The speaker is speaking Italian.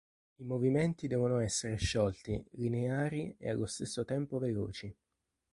I movimenti devono essere sciolti, lineari e allo stesso tempo veloci.